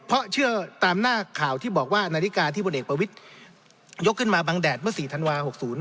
เพราะเชื่อตามหน้าข่าวที่บอกว่านาฬิกาที่พลเอกประวิทยกขึ้นมาบังแดดเมื่อ๔ธันวา๖๐